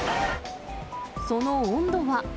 その温度は。